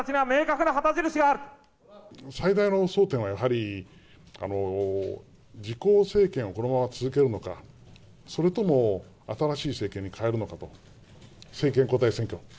最大の争点は、やはり自公政権をこのまま続けるのか、それとも新しい政権に変えるのかと。